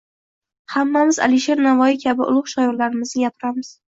Hammamiz Alisher Navoiy kabi ulug‘ shoirlarimizni gapiramiz.